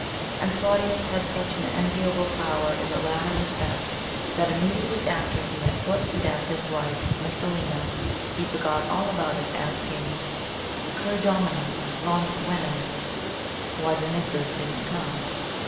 And CLAUDIUS had such an enviable power in the latter respect that immediately after he had put to death his wife MESSALINA, he forgot all about it, asking, "Cur domina non veniret?" "Why the Missus didn't come?"